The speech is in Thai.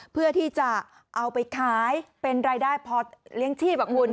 เพื่อที่จะเอาไปขายเป็นรายได้พอเลี้ยงชีพอ่ะคุณ